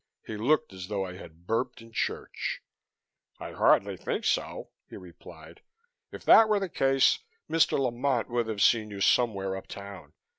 He looked as though I had burped in church. "I hardly think so," he replied. "If that were the case, Mr. Lamont would have seen you somewhere uptown.